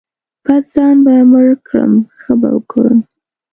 بـس ځان به مړ کړم ښه به وکړم.